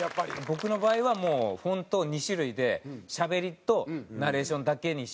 僕の場合はもうフォント２種類でしゃべりとナレーションだけにしちゃったんです。